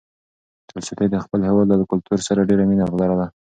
تولستوی د خپل هېواد له کلتور سره ډېره مینه لرله.